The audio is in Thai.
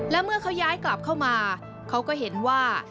และเมื่อเขาย้ายกลับเข้ามาเขาก็เห็นว่า